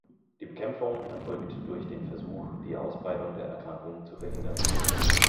Die Bekämpfung erfolgt durch den Versuch, die Ausbreitung der Erkrankung zu verhindern.